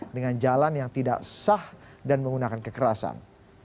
dengan jalan yang tidak sah dan menggunakan kekerasan